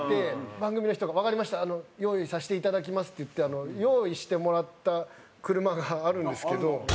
番組の人が「わかりました用意させていただきます」って言って用意してもらった車があるんですけど。